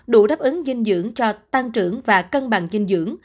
đủ đáp ứng dinh dưỡng cho tăng trưởng và cân bằng dinh dưỡng